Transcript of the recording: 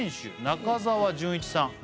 中澤淳一さん